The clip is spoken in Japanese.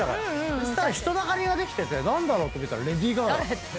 そしたら人だかりができてて何だろう？って見たらレディー・ガガだった。